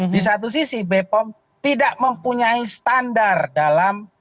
di satu sisi bepom tidak mempunyai standar dalam